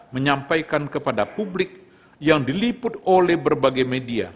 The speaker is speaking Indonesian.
menyampaikan kepada publik yang diliput oleh berbagai media